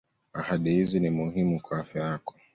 ahadi hizi ni muhimu kwa afya yako